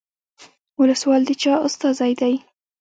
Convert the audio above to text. ولسوال د چا استازی دی؟